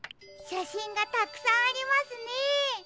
しゃしんがたくさんありますね！